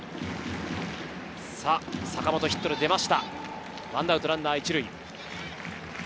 坂本がヒットで出ました、１アウトランナー１塁。